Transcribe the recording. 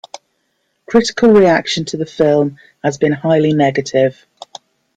Critical reaction to the film has been highly negative.